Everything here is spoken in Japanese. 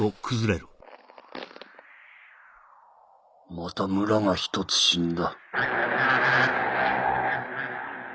また村が１つ死んだ。